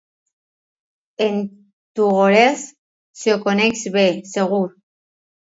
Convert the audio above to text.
En Tugores s'ho coneix bé, segur.